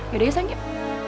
yaudah ya sayang yuk